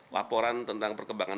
laporan tentang perkembangan